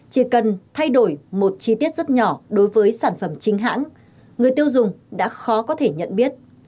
chỉ cần thay đổi một chi tiết rất nhỏ đối với sản phẩm chính hãng người tiêu dùng đã khó có thể nhận biết